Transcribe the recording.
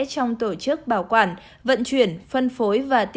trong tổ chức bảo quản vận chuyển phân phối và tiêm vaccine